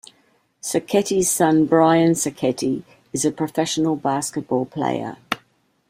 Sacchetti's son, Brian Sacchetti, is a professional basketball player.